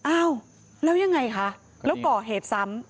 อ้าวแล้วยังไงคะแล้วก่อเหตุซ้ำ